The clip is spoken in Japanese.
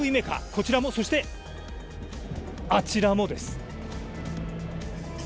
こちらも、そしてあちらもです。